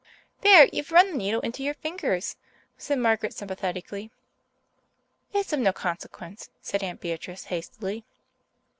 "There, you've run the needle into your finger," said Margaret sympathetically. "It's of no consequence," said Aunt Beatrice hastily.